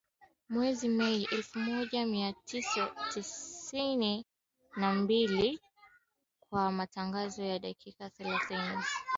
Mwezi Mei elfu moja mia tisa sitini na mbili kwa matangazo ya dakika thelathini